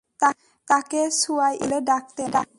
তাকে সুহাইব বলে ডাকতেন।